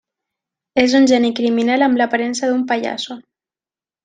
És un geni criminal amb l'aparença d'un pallasso.